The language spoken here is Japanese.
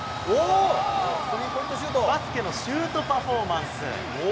バスケのシュートパフォーマンス。